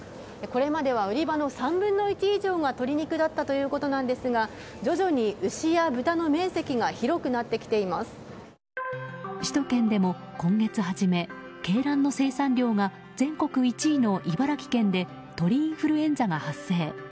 これまでは売り場の３分の１以上が鶏肉だったということですが徐々に牛や豚の面積が首都圏でも今月初め鶏卵の生産量が全国１位の茨城県で鳥インフルエンザが発生。